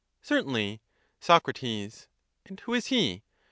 Certainly. Soc. And who is he?